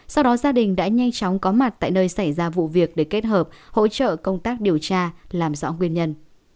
sau đó gia đình đã nhanh chóng có mặt tại nơi xảy ra vụ việc để kết hợp hỗ trợ công tác điều tra làm rõ nguyên nhân